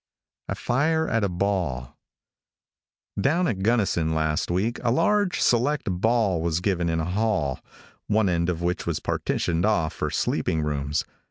A FIRE AT A BALL. |DOWN at Gunnison last week a large, select ball was given in a hall, one end of which was partitioned off for sleeping rooms.